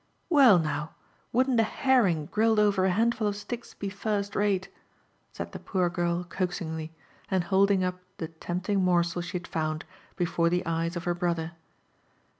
Wei! naw I — wouldn't a^ herring gritted Over a handlul of sticks be fir^t ratef ' said tlie poor gir( eoaxingty, and holding lip the tempt ing morsd^ She had found, before th^ eyes of h^ brother.